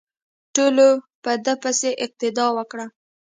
ټولو په ده پسې اقتدا وکړه.